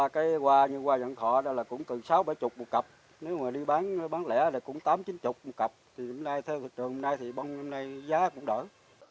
thì hôm nay theo trường hôm nay thì bông hôm nay giá cũng đổi